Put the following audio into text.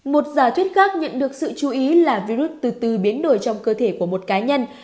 một giả thuyết khác nhận được sự chú ý là virus từ biến đổi trong cơ thể của một cá nhân